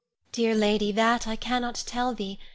Dear lady, that I cannot tell thee.